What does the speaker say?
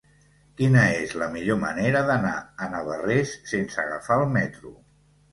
Quina és la millor manera d'anar a Navarrés sense agafar el metro?